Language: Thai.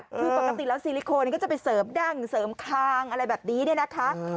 คือปกติแล้วซิลิโคนก็จะไปเสริมดั้งเสริมคางอะไรแบบนี้เนี่ยนะคะ